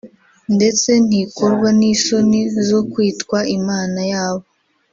ndetse ntikorwa n’isoni zo kwitwa Imana yabo